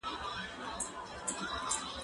کېدای سي قلم خراب وي